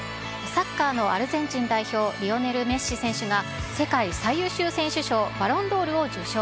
サッカーのアルゼンチン代表、リオネル・メッシ選手が、世界最優秀選手賞・バロンドールを受賞。